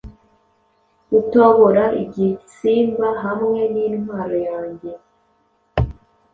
Gutobora igisimba hamwe nintwaro yanjye